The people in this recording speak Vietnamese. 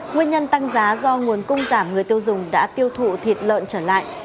nguyên nhân tăng giá do nguồn cung giảm người tiêu dùng đã tiêu thụ thịt lợn trở lại